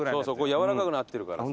軟らかくなってるからさ。